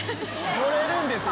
乗れるんですよ。